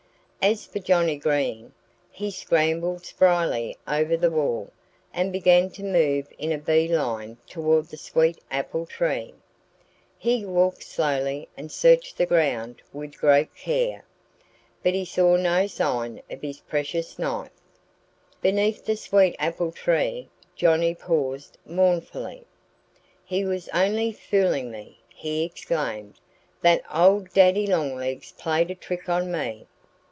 As for Johnnie Green, he scrambled spryly over the wall and began to move in a bee line toward the sweet apple tree. He walked slowly and searched the ground with great care. But he saw no sign of his precious knife. Beneath the sweet apple tree Johnnie paused mournfully. "He was only fooling me!" he exclaimed. "That old Daddy Longlegs played a trick on me!"